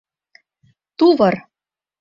— Тувыр.